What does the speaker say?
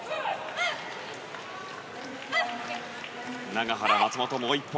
永原、松本、もう一本。